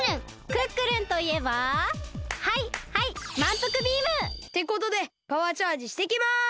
クックルンといえばはいはいまんぷくビーム！ってことでパワーチャージしてきます！